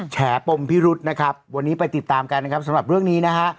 แฉปมพิรุษนะครับวันนี้ไปติดตามกันนะครับสำหรับเรื่องนี้นะฮะ